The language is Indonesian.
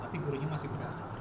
tapi gurunya masih berasa